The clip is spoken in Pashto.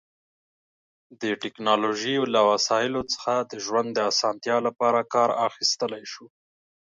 د ټیکنالوژی له وسایلو څخه د ژوند د اسانتیا لپاره کار اخیستلی شو